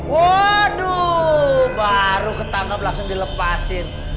waduh baru ketanam langsung dilepasin